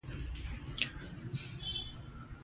چې تيږي هم د اور سوند كېدى شي